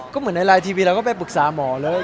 ก็เหมือนในไลน์ทีวีเราก็ไปปรึกษาหมอเลย